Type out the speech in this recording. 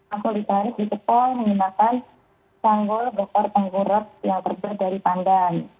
akulitaris di kepol menggunakan sanggul gokor tengkurot yang terbuat dari pandan